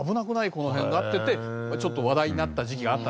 この辺」っていってちょっと話題になった時期があった。